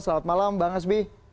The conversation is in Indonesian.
selamat malam bang hasbi